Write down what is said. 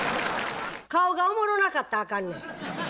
顔がおもろなかったらあかんねや。